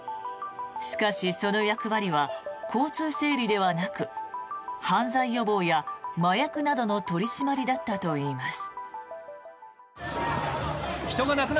しかし、その役割は交通整理ではなく犯罪予防や麻薬などの取り締まりだったといいます。